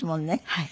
はい。